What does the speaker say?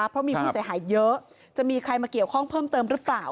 เพราะมีผู้เสียหายเยอะจะมีใครมาเกี่ยวข้องเพิ่มเติมหรือเปล่า